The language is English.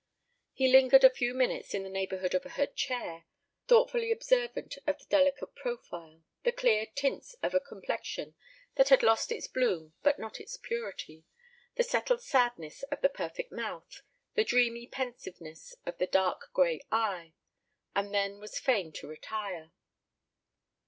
He lingered a few minutes in the neighbourhood of her chair, thoughtfully observant of the delicate profile, the pale clear tints of a complexion that had lost its bloom but not its purity, the settled sadness of the perfect mouth, the dreamy pensiveness of the dark grey eye, and then was fain to retire.